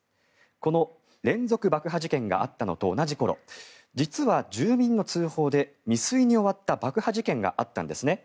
この連続爆破事件があったのと同じころ実は、住民の通報で未遂に終わった爆破事件があったんですね。